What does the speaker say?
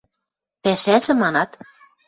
— Пӓшӓзӹ, манат?